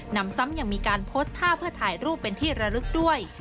นำซ้ำยังมีการโพสต์ท่าเพื่อถ่ายรูปเป็นที่ระลึกด้วย